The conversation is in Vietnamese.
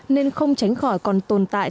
nên không tránh khỏi còn tồn tại